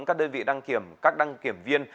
các đơn vị đăng kiểm các đăng kiểm viên